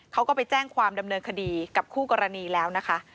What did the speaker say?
เขาก็ไปแจ้งความดำเนินคดีกับคู่กรณีแล้วนะคะ